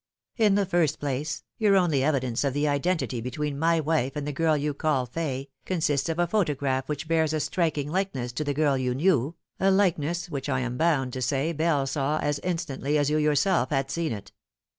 In the first place, your only evidence of the identity between my wife and the girl you call Fay consists of a photograph which bears a striking likeness to the girl you knew, a likeness which I am bound to say Bell saw as instantly as you yourself had seen it.